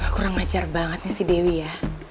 kurang ajar banget nih si dewi ya